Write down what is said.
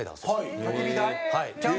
はい。